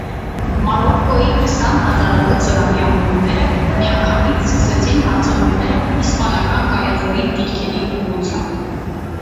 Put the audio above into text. Մարոկկոյի քսան հազարանոց զորամիավորումները միանգամից սկսեցին հարձակումները իսպանական կայազորի դիրքերի ուղղությամբ։